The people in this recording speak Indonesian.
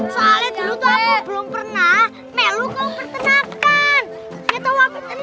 soalnya dulu aku belum pernah melukau pertenakan